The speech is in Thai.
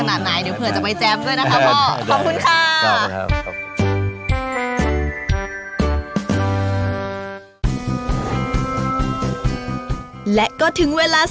ถ่ายใจแขนอัลที่จะคุ้มไป